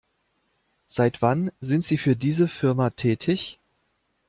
Seit wann sind Sie für diese Firma tätig?